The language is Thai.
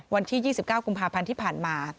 วันที่๒๙กุมภาพันธ์ที่ผ่านมา